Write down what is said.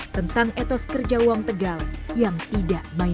tentang etos kerja uang tegal yang tidak main main